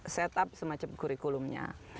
set up semacam kurikulumnya